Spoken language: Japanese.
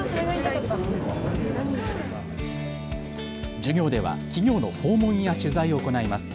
授業では企業の訪問や取材を行います。